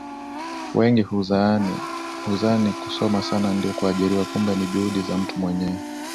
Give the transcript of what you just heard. wengi huzani kusoma Sana ndio kuajiriwa kumbe ni juhudi za mtu mwenyewe